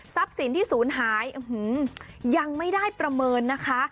ทรัพย์สินที่สูญหายยังไม่ได้ประเมินนะคะ